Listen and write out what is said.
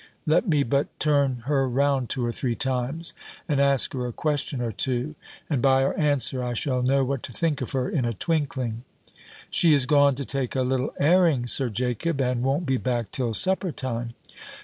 Let me but turn her round two or three times, and ask her a question or two; and by her answer I shall know what to think of her in a twinkling." "She is gone to take a little airing, Sir Jacob, and won't be back till supper time."